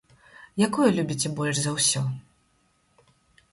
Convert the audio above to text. Якое любіце больш за ўсё?